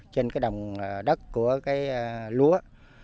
trên đồng đất của lúa